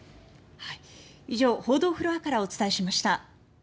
以上、報道フロアからお伝えしました。